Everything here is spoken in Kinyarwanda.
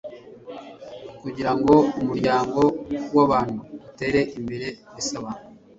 kugirango umuryango w'abantu utere imbere bisaba